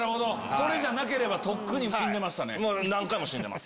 それじゃなければとっくに死んでましたね。